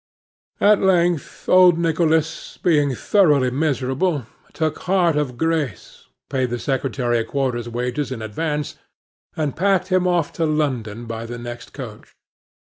At length old Nicholas, being thoroughly miserable, took heart of grace, paid the secretary a quarter's wages in advance, and packed him off to London by the next coach.